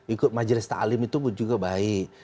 ikut majelis ta'lim itu juga baik